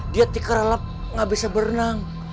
dia tikar lalap gak bisa berenang